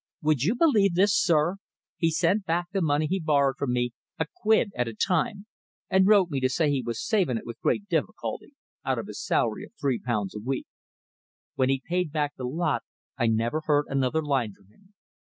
Will you believe this, sir! He sent back the money he borrowed from me a quid at a time, and wrote me to say he was saving it with great difficulty out of his salary of three pounds a week. When he'd paid back the lot, I never heard another line from him.